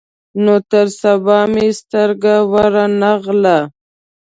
نو تر سبا مې سترګه ور نه غله.